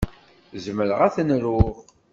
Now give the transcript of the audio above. Zemreɣ ad ten-rnuɣ.